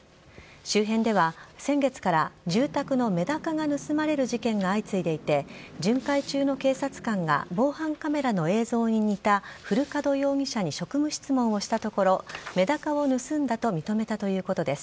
周辺では、先月から住宅のメダカが盗まれる事件が相次いでいて、巡回中の警察官が防犯カメラの映像に似た古門容疑者に職務質問をしたところ、メダカを盗んだと認めたということです。